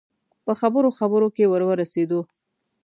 په خبرو خبرو کې ور ورسېدو.